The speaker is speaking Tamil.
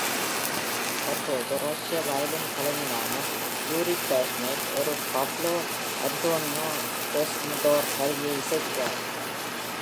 தற்போது, ரஷ்ய வயலின் கலைஞரான யூரி பாஷ்மெட், ஒரு பாவ்லோ அன்டோனியோ டெஸ்டோர் கருவியை இசைக்கிறார்.